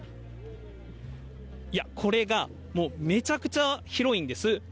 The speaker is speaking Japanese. いや、これがもうめちゃくちゃ広いんです。